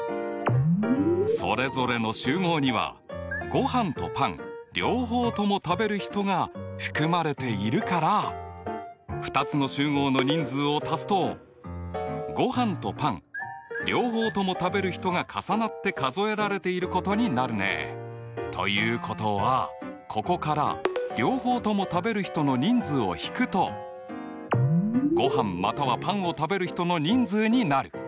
それぞれの集合にはごはんとパン両方とも食べる人が含まれているから２つの集合の人数を足すとごはんとパン両方とも食べる人が重なって数えられていることになるね。ということはここから両方とも食べる人の人数を引くとごはんまたはパンを食べる人の人数になる。